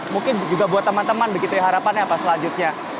mungkin juga buat teman teman begitu ya harapannya apa selanjutnya